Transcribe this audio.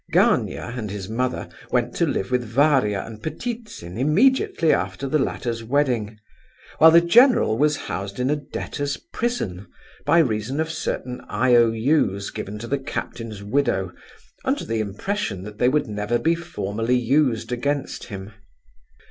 Gania and his mother went to live with Varia and Ptitsin immediately after the latter's wedding, while the general was housed in a debtor's prison by reason of certain IOU's given to the captain's widow under the impression that they would never be formally used against him.